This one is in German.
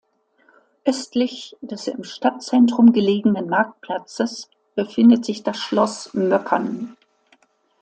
Östlich des im Stadtzentrum gelegenen Marktplatzes befindet sich das Schloss Möckern.